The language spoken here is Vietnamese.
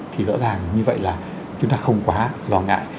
thì rõ ràng như vậy là chúng ta không quá lo ngại